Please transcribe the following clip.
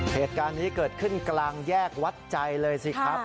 เหตุการณ์นี้เกิดขึ้นกลางแยกวัดใจเลยสิครับ